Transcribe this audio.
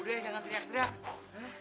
udah jangan teriak teriak